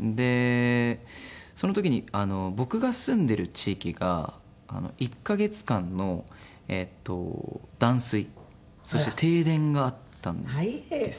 でその時に僕が住んでる地域が１カ月間の断水そして停電があったんですよ。